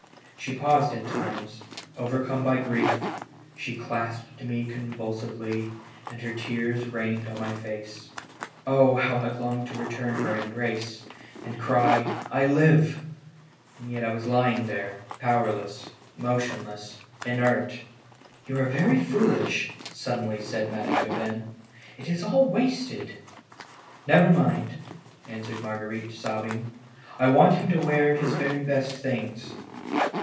She paused at times, overcome by grief; she clasped me convulsively, and her tears rained on my face. Oh [ how I longed to return her embrace, and cry, live!" And yet I was lying there powerless, motionless, inert! ''You are very foolish," suddenly said Madame Gabin ,%" it is all wasted." "Never mind," answered Marguerite, sobbing. "I want him to wear his very best things."